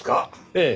ええ。